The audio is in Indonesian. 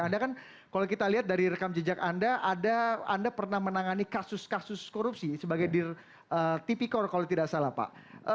anda kan kalau kita lihat dari rekam jejak anda ada anda pernah menangani kasus kasus korupsi sebagai dir tipikor kalau tidak salah pak